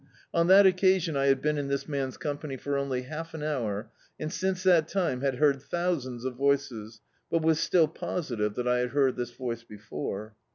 On that occasitm I had been in this man's company for only half an hour, and since that time had heard thousands of voices, but was still positive that I had heard this voice before.